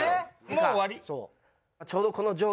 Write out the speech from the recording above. もう終わり？